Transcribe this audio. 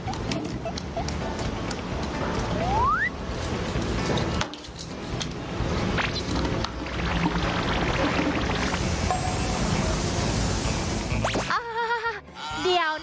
โอ้โฮ